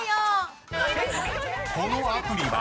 ［このアプリは？］